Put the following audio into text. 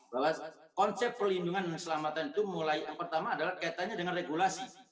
bahwa konsep perlindungan dan selamatan itu mulai yang pertama adalah kaitannya dengan regulasi